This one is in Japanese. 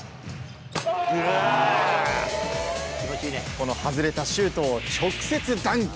この外れたシュートを直接ダンク。